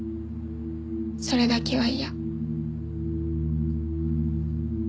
それだけは嫌。